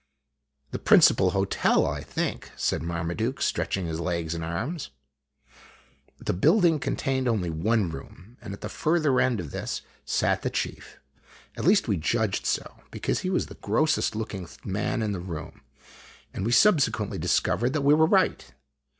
" The principal hotel, I think," said Marmaduke, stretching his legs and arms. The building contained only one room, and at the further end ol this sat the chief at least we judged so because he was the Grossest looking man in the room ; and we subsequently discovered that we were right.